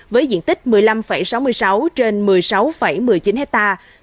với diện tích một mươi năm sáu mươi sáu trên một mươi sáu một mươi chín hectare